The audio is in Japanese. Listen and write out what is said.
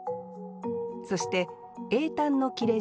そして詠嘆の切れ字